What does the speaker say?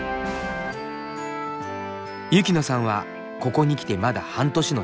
雪乃さんはここに来てまだ半年の新人。